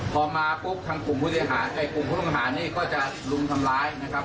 พอมาปุ๊บทางกลุ่มผู้เสียหายไอ้กลุ่มผู้ต้องหานี่ก็จะรุมทำร้ายนะครับ